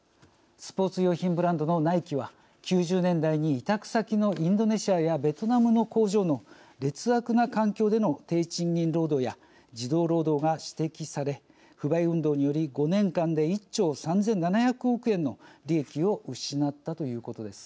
スポーツ用品ブランドのナイキは９０年代に委託先のインドネシアやベトナムの工場の劣悪な環境での低賃金労働や児童労働が指摘され、不買運動で５年間で１兆３７００億円の利益を失ったということです。